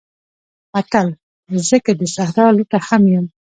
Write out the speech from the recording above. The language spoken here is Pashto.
متل: زه که د صحرا لوټه هم یم